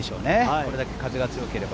これだけ風が強ければ。